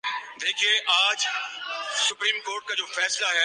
دوسرا women cricket one day West Indies نےپاکستان کوہرادیا